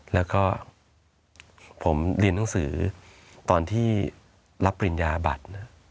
แล้วก็ผมเรียนหนังสือตอนที่รับปริญญาบัตร